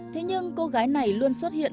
thế nhưng cô gái này luôn xuất hiện